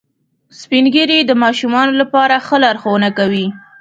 سپین ږیری د ماشومانو لپاره ښه لارښوونه کوي